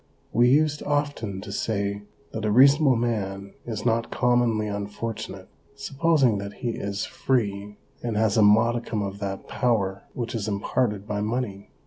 We used often to say that a reasonable man is not commonly unfortunate, supposing that he is free and has a OBERMANN 237 modicum of that power which is imparted by money.